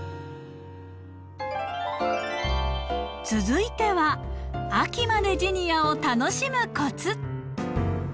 続いては秋までジニアを楽しむコツ。